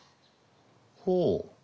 ほう。